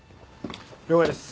了解です。